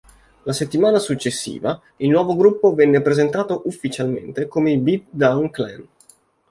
La settimana successiva, il nuovo gruppo venne presentato ufficialmente come i Beat Down Clan.